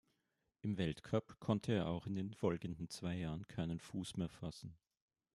Im Weltcup konnte er auch in den folgenden zwei Jahren keinen Fuß mehr fassen.